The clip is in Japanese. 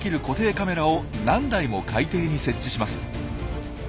固定カメラを何台も海底に設置します。